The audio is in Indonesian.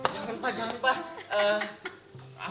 jangan pak jangan pak